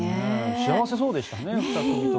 幸せそうでしたねおふた組とも。